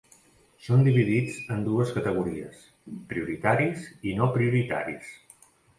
Són dividits en dues categories: prioritaris i no prioritaris.